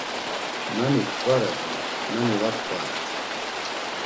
Nani t̆ǩvare do nani va t̆ǩvare?